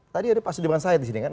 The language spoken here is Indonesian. tadi ada pak sudirman said di sini kan